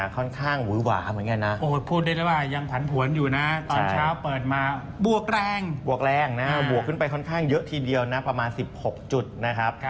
ค่อนข้างเยอะทีเดียวนะประมาณ๑๖จุดนะครับ